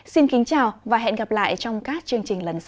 xin kính chào và hẹn gặp lại trong các chương trình lần sau